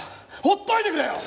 ほっといてくれよ！